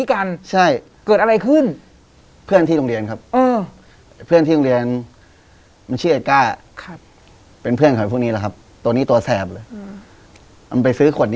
มันเชื่อไอ้ก้าเป็นเพื่อนของพวกนี้ละครับตัวนี้ตัวแสบเลย